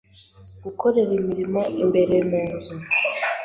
gukorera imirimo imbere mu nzu,